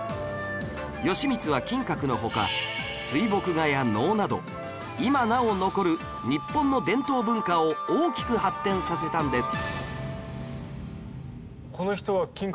義満は金閣の他水墨画や能など今なお残る日本の伝統文化を大きく発展させたんです